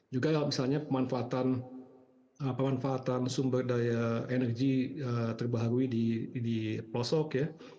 juga misalnya pemanfaatan sumber daya energi terbaharui di pelosok